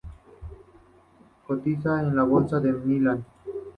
Cotiza en la bolsa de Milán.